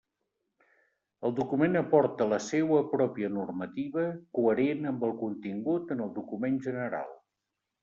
El document aporta la seua pròpia normativa, coherent amb el contingut en el document general.